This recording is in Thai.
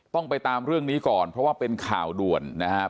ต้องไปตามเรื่องนี้ก่อนเพราะว่าเป็นข่าวด่วนนะครับ